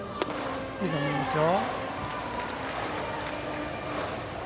いいと思いますよ。